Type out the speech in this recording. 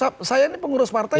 ya kalau saya ini pengurus partai